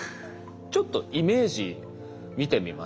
ちょっとイメージ見てみましょうか。